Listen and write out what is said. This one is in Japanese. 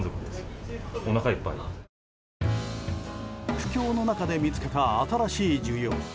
苦境の中で見つけた新しい需要。